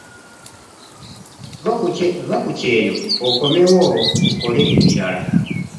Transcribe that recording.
Vva ku kyeyo okomewo tukole ebirala.